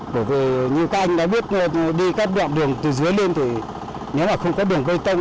bởi vì như các anh đã biết đi các đoạn đường từ dưới lên thì nếu mà không có đường bê tông